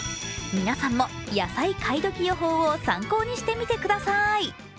皆さんも野菜買いドキ予報を参考にしてみてください。